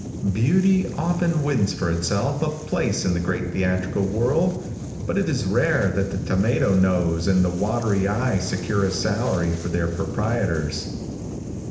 Beauty often wins for itself a place in the great theatrical world, but it is rare that the tomato nose and the watery eye secure a salary for their proprietors.